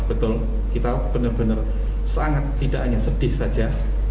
betul kita benar benar sangat tidak hanya sedih saja